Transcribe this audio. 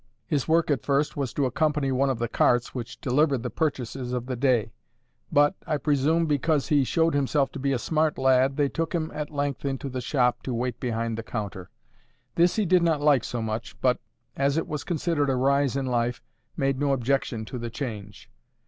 His work at first was to accompany one of the carts which delivered the purchases of the day; but, I presume because he showed himself to be a smart lad, they took him at length into the shop to wait behind the counter. This he did not like so much, but, as it was considered a rise in life, made no objection to the change.